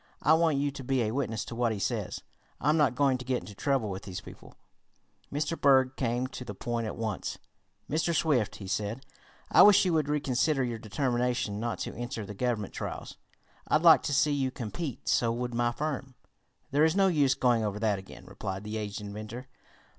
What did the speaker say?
"I want you to be a witness to what he says. I'm not going to get into trouble with these people." Mr. Berg came to the point at once. "Mr. Swift," he said, "I wish you would reconsider your determination not to enter the Government trials. I'd like to see you compete. So would my firm." "There is no use going over that again," replied the aged inventor.